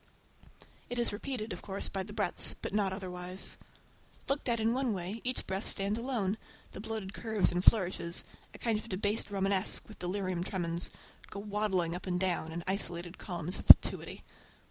It is repeated, of course, by the breadths, but not otherwise. Looked at in one way each breadth stands alone, the bloated curves and flourishes—a kind of "debased Romanesque" with delirium tremens—go waddling up and down in isolated columns of fatuity.